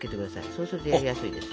そうするとやりやすいです。